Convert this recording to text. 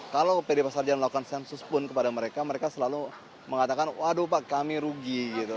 kalau pd pasar jaya melakukan sensus pun kepada mereka mereka selalu mengatakan waduh pak kami rugi gitu